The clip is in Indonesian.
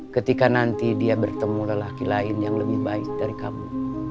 ketika nanti dia bertemu lelaki lain yang lebih baik dari kamu